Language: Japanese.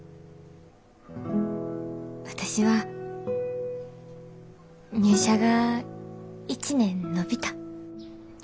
私は入社が１年延びた。